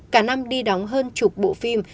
cả năm đi đóng hơn chục bộ phim